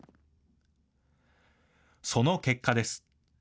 その結果です。